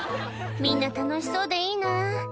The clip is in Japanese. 「みんな楽しそうでいいな」